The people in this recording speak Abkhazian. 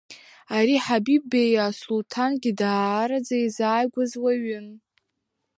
Ари Ҳабип Беи асулҭангьы даараӡа изааигәаз уаҩын.